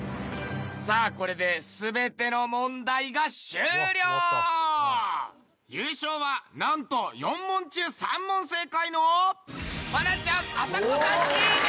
さあこれで優勝はなんと４問中３問正解の愛菜ちゃんあさこさんチーム！